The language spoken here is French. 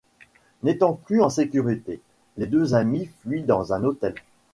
N'étant plus en sécurité, les deux amis fuient dans un hôtel.